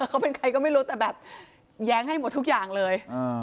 เขาเป็นใครก็ไม่รู้แต่แบบแย้งให้หมดทุกอย่างเลย